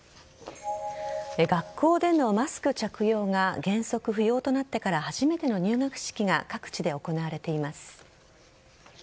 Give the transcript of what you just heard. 学校でのマスク着用が原則不要となってから初めての入学式が各地で行われています。